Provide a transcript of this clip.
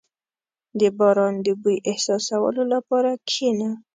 • د باران د بوی احساسولو لپاره کښېنه.